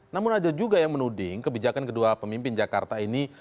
namun ada juga yang menuding kebijakan kedua pemimpin jakarta ini